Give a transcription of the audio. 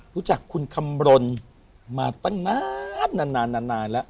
รู้จักคุณคำรนมาตั้งนาน